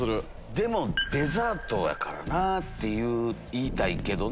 でもデザートやからなって言いたいけどな。